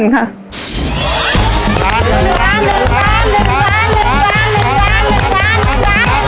หนึ่งร้านหนึ่งร้านหนึ่งร้านหนึ่งร้าน